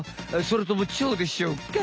それともチョウでしょうか？